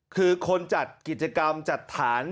คือคนจัดกิจกรรมจัดฐาน